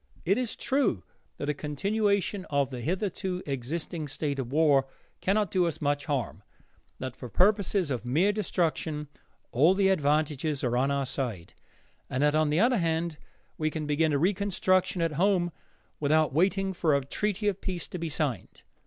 It is true that a continuation of the hitherto existing state of war cannot do us much more harm; that for purposes of mere destruction all the advantages are on our side; and that on the other hand we can begin a reconstruction at home without waiting for a treaty of peace to be signed.